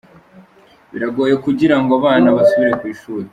Biragoye kugirango abana basubire ku ishuri.